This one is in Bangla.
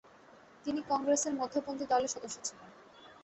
তিনি কংগ্রেসের মধ্যপন্থি দলের সদস্য ছিলেন।